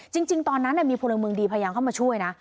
จริงตอนนั้นมีพลเมืองดีพยายามเข้ามาช่วยนะ